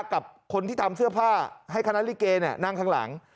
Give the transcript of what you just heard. กับคนที่ทำเสื้อผ้าให้คณะลิเกนั่งข้างหลัง